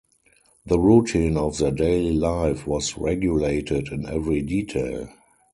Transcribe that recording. The routine of their daily life was regulated in every detail.